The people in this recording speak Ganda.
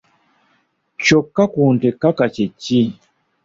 Kyokka ku nte kaka kye ki?